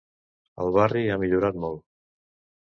El barri ha millorat molt.